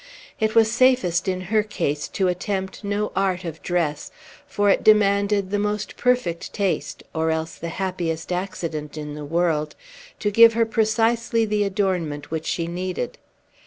It was safest, in her case, to attempt no art of dress; for it demanded the most perfect taste, or else the happiest accident in the world, to give her precisely the adornment which she needed.